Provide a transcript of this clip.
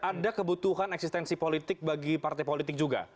ada kebutuhan eksistensi politik bagi partai politik juga